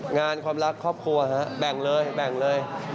งานความรักครอบครัวฮะแบ่งเลยแบ่งเลย